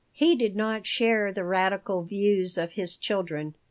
He did not share the radical views of his children.